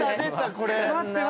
これ。